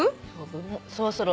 そろそろ。